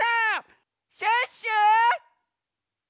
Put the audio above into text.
シュッシュ！